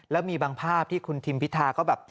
แล้วมีบางภาพที่คุณทิมพิธาก็แบบ